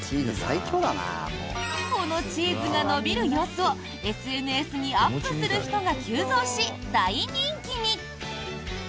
このチーズが伸びる様子をＳＮＳにアップする人が急増し大人気に！